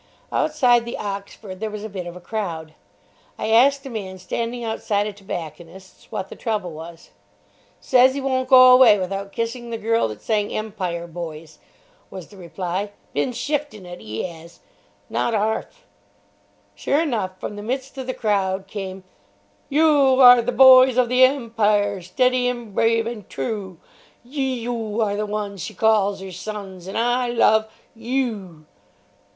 Outside the Oxford there was a bit of a crowd. I asked a man standing outside a tobacconist's what the trouble was. "Says he won't go away without kissing the girl that sang 'Empire Boys,'" was the reply. "Bin shiftin' it, 'e 'as, not 'arf!" Sure enough, from the midst of the crowd came: Yew are ther boys of the Empire, Steady an' brave an' trew. Yew are the wuns She calls 'er sons An' I luv yew.